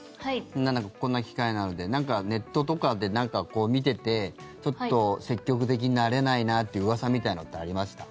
こんな機会なのでネットとかでなんか見ててちょっと積極的になれないなっていううわさみたいなのってありました？